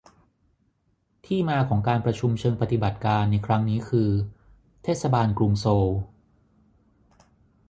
ที่มาของการประชุมเชิงปฏิบัติการในครั้งนี้คือ เทศบาลกรุงโซล